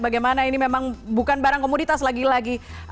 bagaimana ini memang bukan barang komoditas lagi lagi